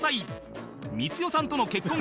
光代さんとの結婚